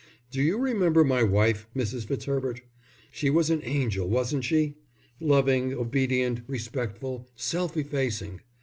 Do you remember my wife, Mrs. Fitzherbert? She was an angel, wasn't she? Loving, obedient, respectful, self effacing!